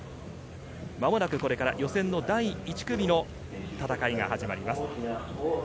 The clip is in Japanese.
まもなく予選の第１組の戦いが始まります。